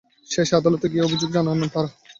শেষে আদালতে গিয়ে অভিযোগ জানান তাঁরা।